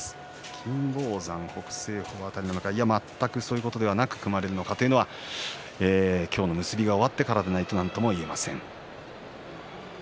金峰山、北青鵬辺り、全くそういうことを考えずに組まれるのか、今日の結びが終わってからでないとなんとも言えません。